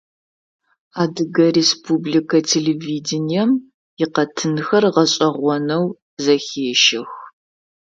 Адыгэ республикэ телевидением икъэтынхэр гъэшӀэгъонэу зэхещэх.